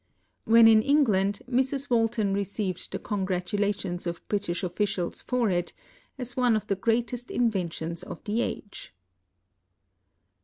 When in England, Mrs. Walton received the con gratulations of British officials for it, as one of the greatest inventions of the age.